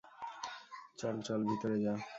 চল চল ভিতরে যা।